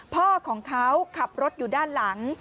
พ่อของเขาขับรถอยู่ด้านหลัง